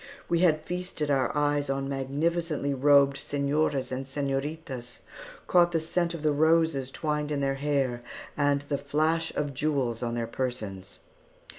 We had feasted our eyes on magnificently robed señoras and señoritas; caught the scent of the roses twined in their hair, and the flash of jewels on their persons.